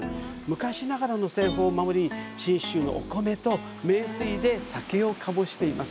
昔ながらの製法を守り、信州のお米と名水で酒を醸しています。